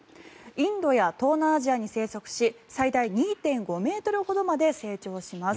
インドや東南アジアに生息し最大２．５ｍほどにまで成長します。